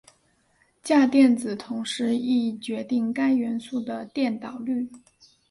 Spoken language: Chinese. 价电子同时亦决定该元素的电导率。